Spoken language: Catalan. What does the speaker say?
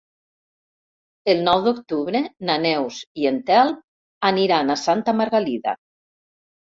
El nou d'octubre na Neus i en Telm aniran a Santa Margalida.